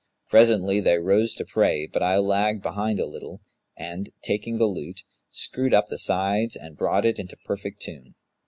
Presently, they rose to pray, but I lagged behind a little and, taking the lute, screwed up the sides and brought it into perfect tune.